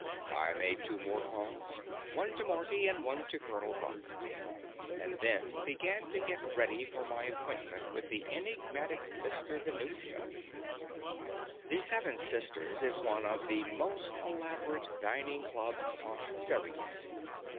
I made two more calls one to Marty and one to Colonel Brock and then began to get ready for my appointment with the enigmatic Mr. Venuccio. The Seven Sisters is one of the most elaborate dining clubs on Ceres.